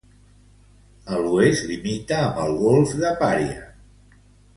A l'oest limita amb el golf de Paria.